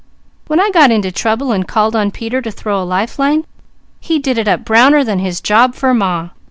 _ When I got into trouble and called on Peter to throw a lifeline, he did it up browner than his job for Ma.